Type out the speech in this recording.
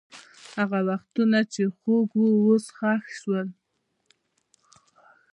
هغه وختونه چې خوږ وو، اوس ښخ شول.